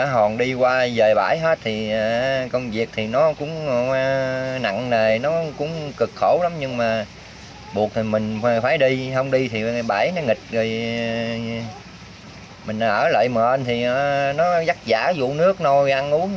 học viên đề nghị của sống